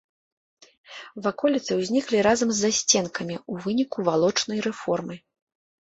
Ваколіцы ўзніклі разам з засценкамі ў выніку валочнай рэформы.